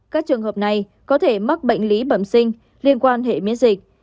các trường hợp này có thể mắc bệnh lý bẩm sinh liên quan hệ miễn dịch